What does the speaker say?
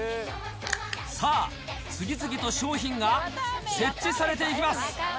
さあ、次々と商品が設置されていきます。